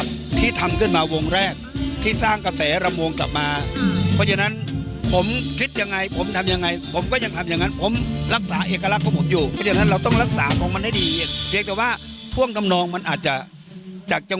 ไปฟังเสียงกันนิดนึงจ๊ะ